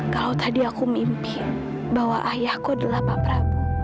kalau tadi aku mimpi bahwa ayahku adalah papra